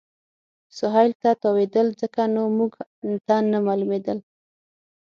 سهېل ته تاوېدل، ځکه نو موږ ته نه معلومېدل.